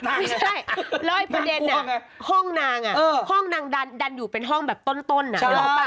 แล้วอีกประเด็นนี่ห้องนางน่ะห้องนางดันอยู่เป็นห้องแบบต้นน่ะรู้ป่ะ